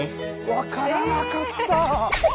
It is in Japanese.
分からなかった！